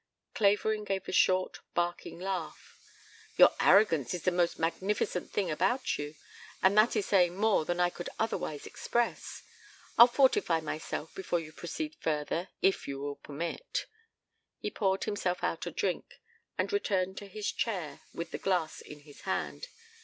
Clavering gave a short barking laugh. "Your arrogance is the most magnificent thing about you, and that is saying more than I could otherwise express. I'll fortify myself before you proceed further, if you will permit." He poured himself out a drink, and returned to his chair with the glass in his hand.